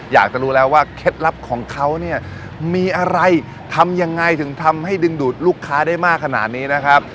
อยากจะรู้แล้วว่าเคล็ดลับของเขาเนี่ยมีอะไรทำยังไงถึงทำให้ดึงดูดลูกค้าได้มากขนาดนี้นะครับ